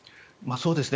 そうですね。